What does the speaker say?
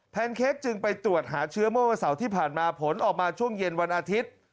แนนเค้กจึงไปตรวจหาเชื้อเมื่อวันเสาร์ที่ผ่านมาผลออกมาช่วงเย็นวันอาทิตย์